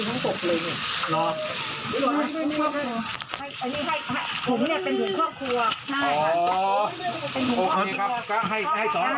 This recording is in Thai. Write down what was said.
เดี่ยวคนเยอะคนเพียง